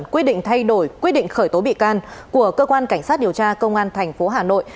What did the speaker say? quyết định thay đổi quyết định khởi tố bị can của cơ quan cảnh sát điều tra công an tp hà nội